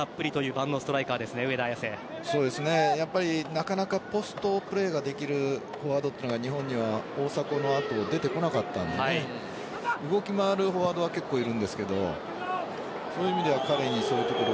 なかなかポストプレーができるフォワードというのが日本には大迫の後、出てこなかったので動き回るフォワードはいるんですがそういう意味では彼にそういうところ